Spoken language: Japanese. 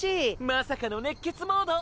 まさかの熱血モード。